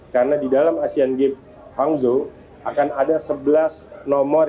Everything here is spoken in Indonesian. karena di dalam asean games hangzhou akan ada sebelas nomor